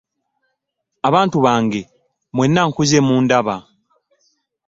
Abantu bange mwenna nkuze mundaba.